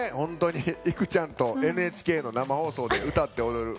いくちゃんとＮＨＫの生放送で歌って踊る。